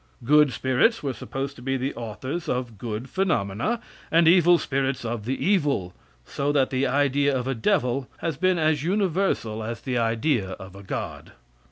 Good spirits were supposed to be the authors of good phenomena, and evil spirits of the evil so that the idea of a devil has been as universal as the idea of a god.